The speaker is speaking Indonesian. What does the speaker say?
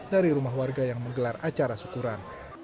dari rumah warga yang menggelar acara syukuran